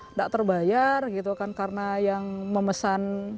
nggak terbayar gitu kan karena yang memesan